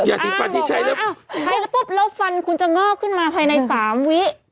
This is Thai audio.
อ้าวบอกว่าอ้าวไปแล้วปุ๊บแล้วฟันคุณจะงอกขึ้นมาภายใน๓วิ